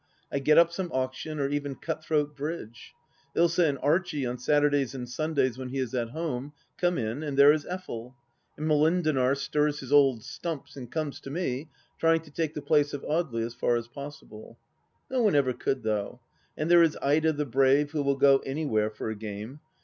I get up some Auction, or even cut throat Bridge. Ilsa and Archie, on Saturdays and Sundays when he is at home, come in, and there is Effel ; and Molendinar stirs his old stumps, and comes to me, trying to take the place of Audely as far as possible. No one ever could, though. And there is Ida the brave, who will go anywhere for a game.